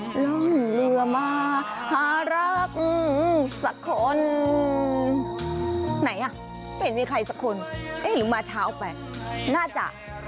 ร่องเรือมาหารักสักคนไหนอ่ะไม่เห็นมีใครสักคนเอ๊ะหรือมาเช้าไปน่าจะ